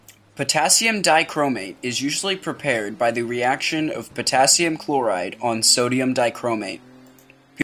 Potassium dichromate is usually prepared by the reaction of potassium chloride on sodium dichromate.